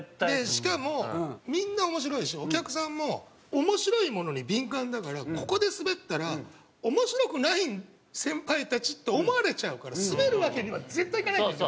しかもみんな面白いしお客さんも面白いものに敏感だからここでスベったら面白くない先輩たちって思われちゃうからスベるわけには絶対いかないっていう。